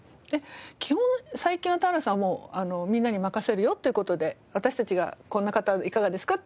基本最近は田原さんもみんなに任せるよっていう事で私たちがこんな方いかがですか？